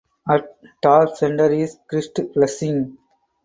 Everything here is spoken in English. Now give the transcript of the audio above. At top centre is Christ blessing.